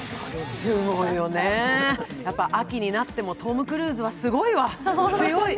すごいよね、秋になってもトム・クルーズはすごいわ、強い。